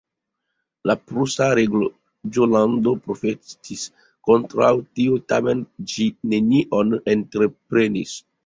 La prusa reĝolando protestis kontraŭ tio, tamen ĝi nenion entreprenis.